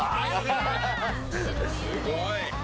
すごい。